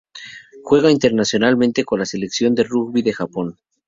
Juega internacionalmente con la selección de rugby de Japón.